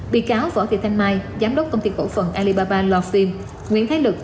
bị cáo võ thị thanh mai giám đốc công ty cổ phần alibaba lò phim nguyễn thái lực